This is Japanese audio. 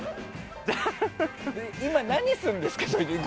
今、何するんですか？